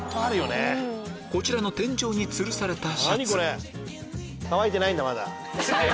こちらの天井につるされたシャツ乾いてないんだまだ。